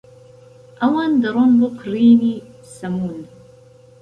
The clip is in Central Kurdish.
ئەوان دەڕۆن بۆ کرینی سەموون.